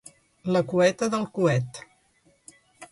La cueta del coet.